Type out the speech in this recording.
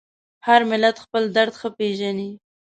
هر ملت خپل درد ښه پېژني.